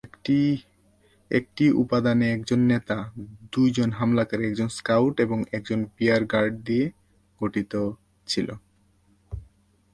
একটি উপাদানে একজন নেতা, দুইজন হামলাকারী, একজন স্কাউট, এবং একজন রিয়ার-গার্ড দিয়ে গঠিত ছিল।